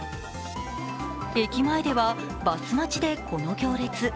駅前ではバス待ちでこの行列。